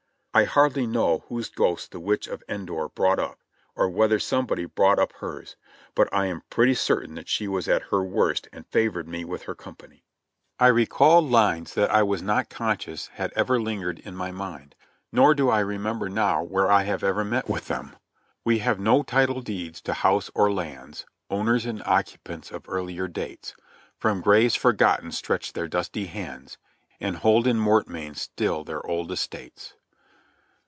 I hardly know whose ghost the Witch of Endor brought up, or whether somebody brought up hers, but I am pretty cer tain she was at her worst and favored me with her company. 94 JOHNNY RKB AND BILLY YANK I recalled lines that I was not conscious had ever lingered in my mind, nor do I remember now where I have ever met with them. "We have no title deeds to house or lands. Owners and occupants of earlier dates From graves forgotten stretch their dusty hands And hold in mortmain still their old estates."